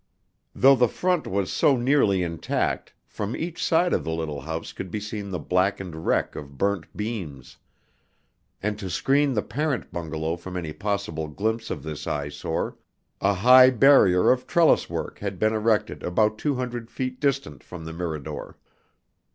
Though the front was so nearly intact, from each side of the little house could be seen the blackened wreck of burnt beams; and to screen the parent bungalow from any possible glimpse of this eyesore, a high barrier of trellis work had been erected about two hundred feet distant from the Mirador.